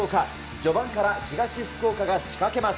序盤から東福岡が仕掛けます。